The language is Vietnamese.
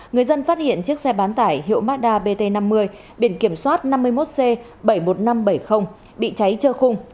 người dân phát hiện chiếc xe bán tải hiệu mazda bt năm mươi biển kiểm soát năm mươi một c bảy mươi một nghìn năm trăm bảy mươi bị cháy trơ khung